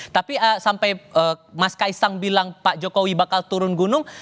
tapi sampai mas kaisang bilang pak jokowi bakal turun gunung